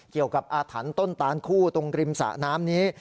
เกี่ยวกับอาถรรพ์ต้นตานคู่ตรงกริมสระน้ำนี้